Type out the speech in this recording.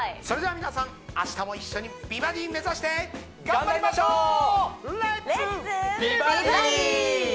それでは皆さん明日も一緒に美バディ目指して頑張りましょう！